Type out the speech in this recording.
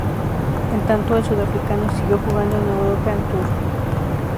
En tanto, el sudafricano siguió jugando en el European Tour.